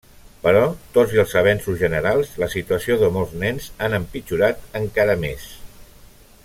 Però, tot i els avenços generals, la situació de molts nens han empitjorat encara més.